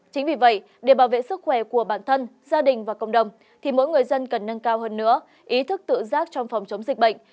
chính vì vậy để bảo vệ sức khỏe của bản thân gia đình và cộng đồng thì mỗi người dân cần nâng cao hơn nữa ý thức tự giác trong phòng chống dịch bệnh